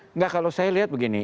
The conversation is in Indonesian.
enggak kalau saya lihat begini